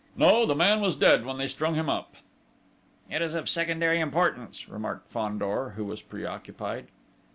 "No, the man was dead when they strung him up." "It is of secondary importance!" remarked Fandor, who was preoccupied.